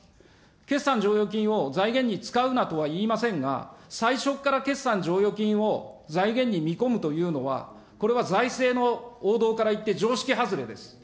決算剰余金を財源に使うなとは言いませんが、最初から決算剰余金を財源に見込むというのは、これは財政の王道からいって常識外れです。